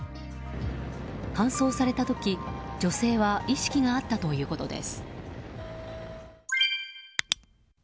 搬送された時、女性は意識があったということです。